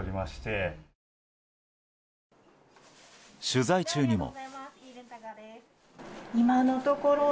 取材中にも。